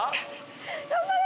頑張れ！